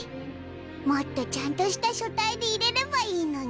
もっとちゃんとした書体で入れればいいのに。